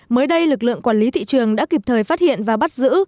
mới đây lực lượng quản lý thị trường đã kịp thời phát hiện và bắt giữ